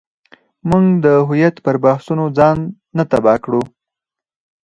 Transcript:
موږ د هویت پر بحثونو ځان نه تباه کړو.